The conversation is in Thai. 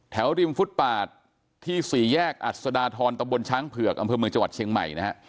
ริมฟุตปาดที่สี่แยกอัศดาทรตะบนช้างเผือกอำเภอเมืองจังหวัดเชียงใหม่นะฮะ